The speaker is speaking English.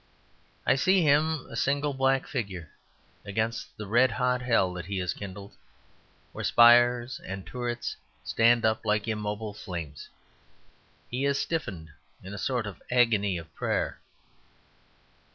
I see him, a single black figure against the red hot hell that he has kindled, where spires and turrets stand up like immobile flames: he is stiffened in a sort of agony of prayer.